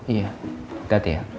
iya dati ya